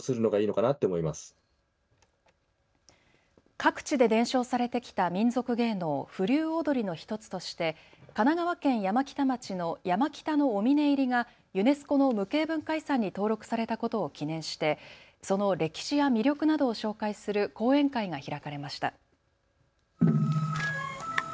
各地で伝承されてきた民俗芸能、風流踊の１つとして神奈川県山北町の山北のお峰入りがユネスコの無形文化遺産に登録されたことを記念してその歴史や魅力などを紹介する講演会が開かれました。